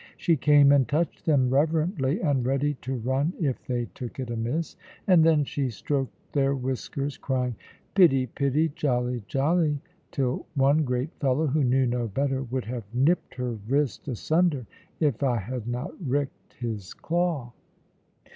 She came and touched them reverently, and ready to run if they took it amiss; and then she stroked their whiskers, crying, "Pitty, pitty! jolly, jolly!" till one great fellow, who knew no better, would have nipped her wrist asunder if I had not ricked his claw.